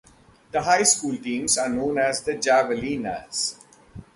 The high school teams are known as the Javelinas.